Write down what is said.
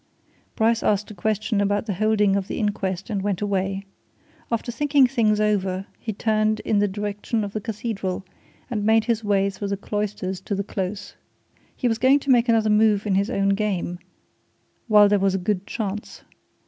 Bryce asked a question about the holding of the inquest and went away. And after thinking things over, he turned in the direction of the Cathedral, and made his way through the Cloisters to the Close. He was going to make another move in his own game, while there was a good chance.